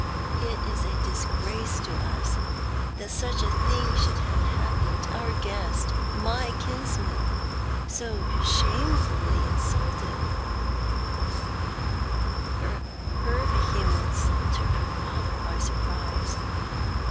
It is a disgrace to us that such a thing should have happened — our guest — my kinsman — so shamefully insulte 1." Her vehemence took her father by surprise.